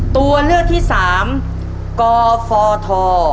ตัวเลือกที่๓กฟท